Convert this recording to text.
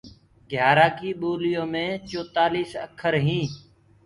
گھياٚرآن ڪي ٻوليو مي چوتآݪيٚس اکر هينٚ۔